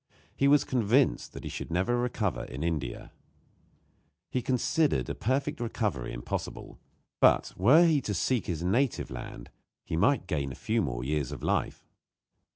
He was convinced that he should never recover in India. He considered a perfect recovery impossible; but, were he to seek his native land, he might gain a few more years of life.